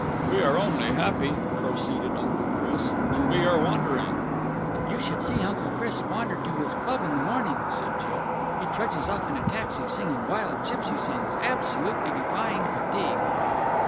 "We are only happy," proceeded Uncle Chris, "when we are wandering." "You should see Uncle Chris wander to his club in the morning," said Jill. "He trudges off in a taxi, singing wild gipsy songs, absolutely defying fatigue."